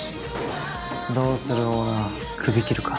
どうするオーナークビ切るか？